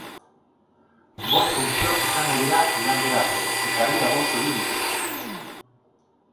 Bost funtzio izango dira igandera arte eta bi agortu egin dituzte.